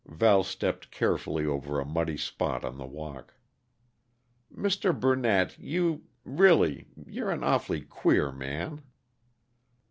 Val stepped carefully over a muddy spot on the walk. "Mr. Burnett, you really, you're an awfully queer man."